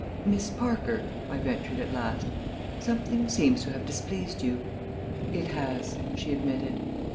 "Miss Parker," I ventured at last, "something seems to have displeased you." "It has," she admitted.